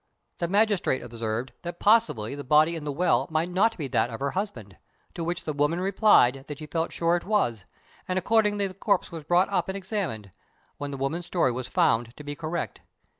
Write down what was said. The magistrate observed that possibly the body in the well might not be that of her husband, to which the woman replied that she felt sure it was; and accordingly the corpse was brought up and examined, when the woman's story was found to be correct.